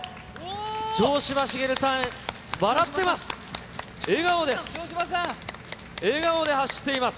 城島茂さん、笑ってます。